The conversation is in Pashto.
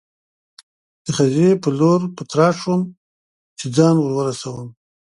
د خزې په لور په تراټ شوم، چې ځان ور ورسوم.